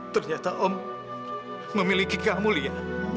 ternyata om memiliki kamu lia